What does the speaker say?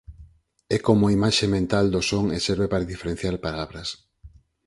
É como a imaxe mental do son e serve para diferenciar palabras.